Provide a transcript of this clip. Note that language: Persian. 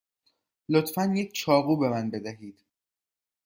لطفا یک چاقو به من بدهید.